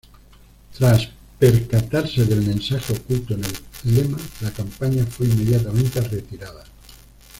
Tras percatarse del mensaje oculto en el lema, la campaña fue inmediatamente retirada.